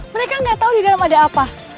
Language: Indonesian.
mereka nggak tahu di dalam ada apa